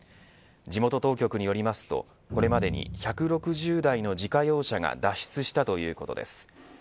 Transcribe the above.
地元当局によりますとこれまでに１６０台の自家用車が脱出したということです。